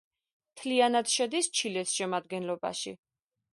მთლიანად შედის ჩილეს შემადგენლობაში.